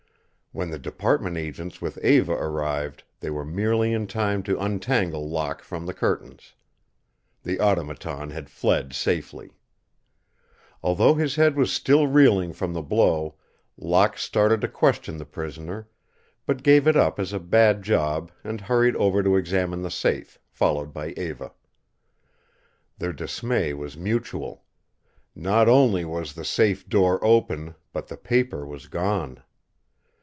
When the department agents with Eva arrived, they were merely in time to untangle Locke from the curtains. The Automaton had fled safely. Although his head was still reeling from the blow, Locke started to question the prisoner, but gave it up as a bad job and hurried over to examine the safe, followed by Eva. Their dismay was mutual. Not only was the safe door open, but the paper was gone.